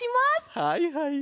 はいはい。